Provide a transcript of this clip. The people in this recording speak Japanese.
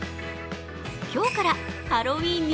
今日からハロウィーンに